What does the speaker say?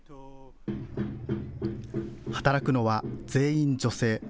働くのは全員女性。